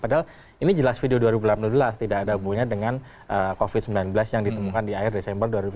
padahal ini jelas video dua ribu delapan belas tidak ada hubungannya dengan covid sembilan belas yang ditemukan di akhir desember dua ribu dua puluh